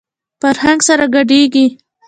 فرهنګ سره ګډېږي.